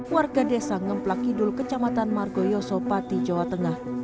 warga desa ngemplakidul kecamatan margo yosopati jawa tengah